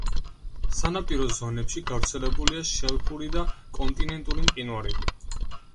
სანაპირო ზონებში გავრცელებულია შელფური და კონტინენტური მყინვარები.